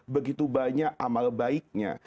begitu banyak amal baiknya